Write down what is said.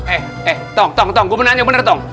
eh eh tong tong tong gue mau tanya bener tong